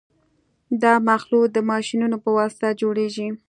دا مخلوط د ماشینونو په واسطه جوړیږي